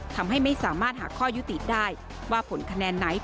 ทำให้ไม่สามารถหาข้อยุติได้ว่าผลคะแนนไหน